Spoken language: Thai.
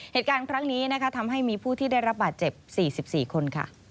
เหตุการณ์ครั้งนี้ทำให้มีผู้ที่ได้รับบาดเจ็บ๔๔คน